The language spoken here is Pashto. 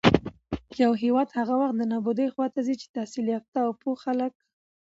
يـو هېـواد هـغه وخـت د نـابـودۍ خـواتـه ځـي چـې تحـصيل يافتـه او پـوه خلـک